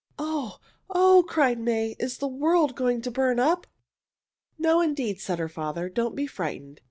"Oh! oh!" cried May. "Is the world going to burn up?" "No, indeed!" said her father. "Don't be frightened.